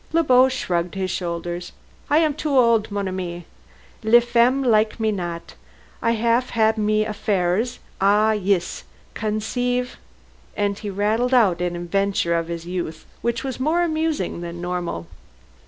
Le Beau shrugged his shoulders. "I am too old, mon ami. Les femmes like me not. I haf had mes affairs ah, yis. Conceive " and he rattled out an adventure of his youth which was more amusing than moral.